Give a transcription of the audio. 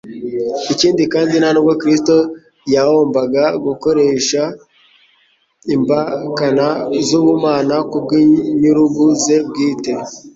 Ikindi kandi nta nubwo Kristo ya ombaga gukoresha imbaKna z'ubumana ku_bw'inyurugu ze bwite.